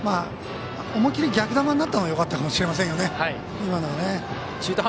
思い切り逆球になったのがよかったかもしれないですよね。